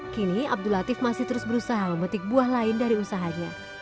kini abdul latif masih terus berusaha memetik buah lain dari usahanya